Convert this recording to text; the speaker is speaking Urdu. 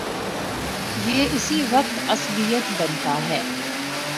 یہ اسی وقت عصبیت بنتا ہے۔